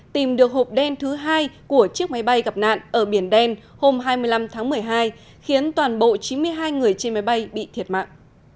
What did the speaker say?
tìm được hộp đen thứ hai của chiếc máy bay gặp nạn ở biển đen hôm hai mươi năm tháng một mươi hai khiến toàn bộ chín mươi hai người trên máy bay bị thiệt mạng